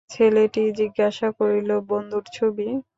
ছেলেটি জিজ্ঞাসা করিল, বন্ধুর ছবি?